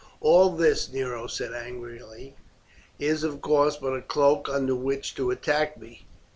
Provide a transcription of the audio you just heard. "All this," Nero said angrily, "is of course but a cloak under which to attack me.